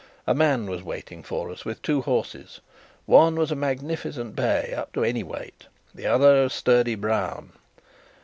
A man was waiting for us with two horses. One was a magnificent bay, up to any weight; the other a sturdy brown.